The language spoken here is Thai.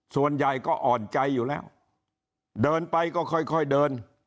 ส่วนใหญ่ก็อ่อนใจอยู่แล้วเดินไปก็ค่อยเดิน